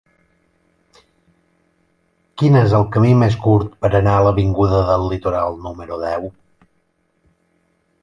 Quin és el camí més curt per anar a l'avinguda del Litoral número deu?